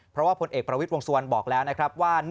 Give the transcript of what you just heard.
เพราะว่าผลเอกประวิทย์วงสุวรรณบอกแล้วนะครับว่า